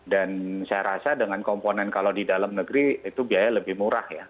dan saya rasa dengan komponen kalau di dalam negeri itu biaya lebih murah ya